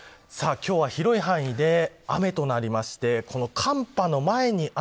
今日は、広い範囲で雨となりましてこの寒波の前に雨。